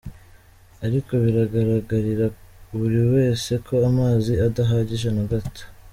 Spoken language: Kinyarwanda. Ariko biragaragarira buri wese ko amazi adahagije na gato.